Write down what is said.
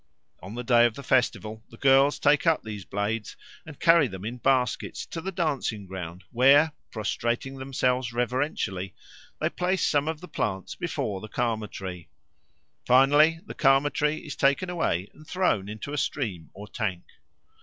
On the day of the festival the girls take up these blades and carry them in baskets to the dancing ground, where, prostrating themselves reverentially, they place some of the plants before the Karma tree. Finally, the Karma tree is taken away and thrown into a stream or tank.